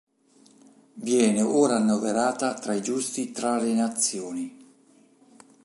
Viene ora annoverata tra i Giusti tra le nazioni.